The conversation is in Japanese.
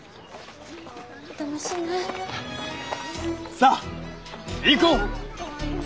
さあ行こう！